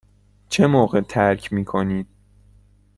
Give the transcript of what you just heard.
چه موقع ترک می کنیم؟